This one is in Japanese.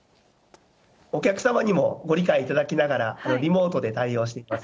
お客様にもご理解いただきながら、リモートで対応しています。